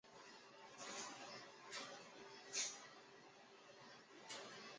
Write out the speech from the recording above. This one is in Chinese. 只有梁王耶律雅里及天祚帝长女乘军乱逃去。